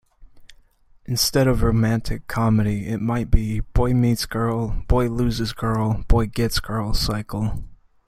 Instead of "romantic comedy" it might be "Boy-meets-girl-boy-loses-girl-boy-gets-girl" cycle.